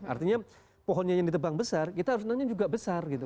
artinya pohonnya yang ditebang besar kita harus nanya juga besar gitu